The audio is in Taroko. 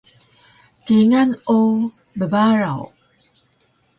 Kingal o bbaraw